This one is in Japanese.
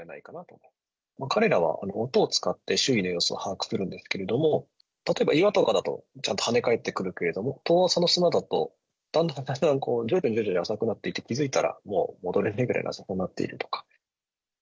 彼らは音を使って周囲の様子を把握してるんですけど、例えば岩とかだと、ちゃんと跳ね返ってくるけど、遠浅の砂だと、だんだんだんだん、徐々に徐々に浅くなっていって、気付いたら、もう戻れなくなるぐらい浅くなっているとか。